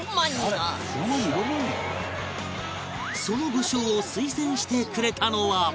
その武将を推薦してくれたのは